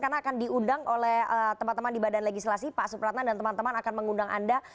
karena akan diundang oleh teman teman di badan legislasi pak supratna dan teman teman akan mengundang anda